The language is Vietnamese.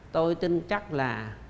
tôi tin chắc là